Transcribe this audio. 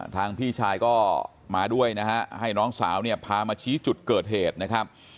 พี่ชายก็มาด้วยนะฮะให้น้องสาวเนี่ยพามาชี้จุดเกิดเหตุนะครับ